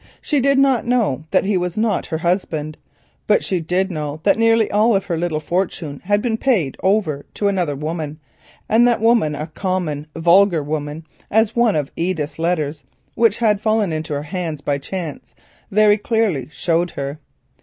She did not know that he was not her husband, but she did know that nearly all of her little fortune had been paid over to another woman, and that woman a common, vulgar woman, as one of Edith's letters which had fallen into her hands by chance very clearly showed her.